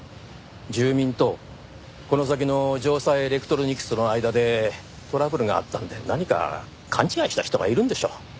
住民とこの先の城西エレクトロニクスの間でトラブルがあったんで何か勘違いした人がいるんでしょう。